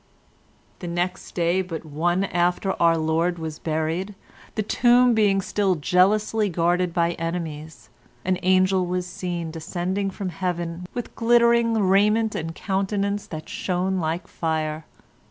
"The next day but one after our Lord was buried, the tomb being still jealously guarded by enemies, an angel was seen descending from Heaven with glittering raiment and a countenance that shone like fire.